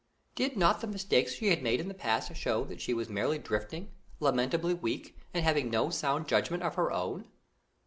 Did not the mistakes she had made in the past show that she was merely drifting, lamentably weak, and having no sound judgment of her own?